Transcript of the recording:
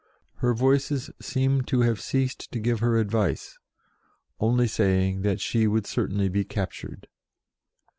Her Voices seem to have ceased to give her advice, only saying that she 88 JOAN OF ARC would certainly be captured.